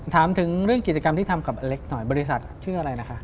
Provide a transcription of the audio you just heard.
ถามถึงเรื่องกิจกรรมที่ทำกับอเล็กหน่อยบริษัทชื่ออะไรนะคะ